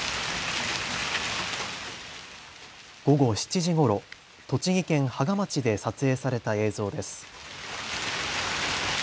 午後７時ごろ、栃木県芳賀町で撮影された映像です。